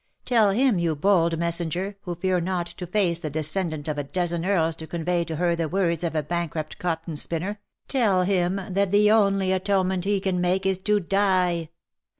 — Tell him, you bold messenger, who fear not to face the descendant of a dozen earls to convey to her the words of a bankrupt cotton spinner, tell him, that the only atonement he can make, is to die.